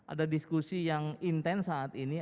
ada diskusi yang intens saat ini